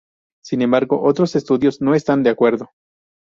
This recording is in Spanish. Sin embargo otros estudiosos no están de acuerdo.